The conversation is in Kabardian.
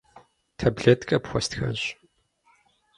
Таблеткэ пхуэстхащ.